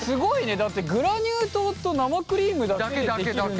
だってグラニュー糖と生クリームだけで出来るんだ。